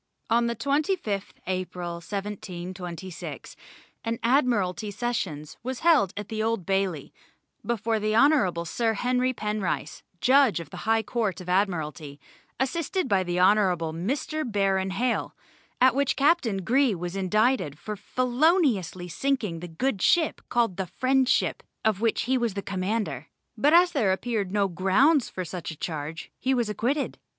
On the 25th April, 1726, an Admiralty Sessions was held at the Old Bailey, before the Hon. Sir Henry Penrice, Judge of the High Court of Admiralty, assisted by the Honourable Mr. Baron Hale, at which Captain Greagh was indicated for feloniously sinking the good ship called the Friendship, of which he was commander; but as there appeared no grounds for such a charge, he was acquitted.